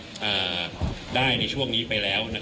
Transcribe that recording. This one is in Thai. คุณผู้ชมไปฟังผู้ว่ารัฐกาลจังหวัดเชียงรายแถลงตอนนี้ค่ะ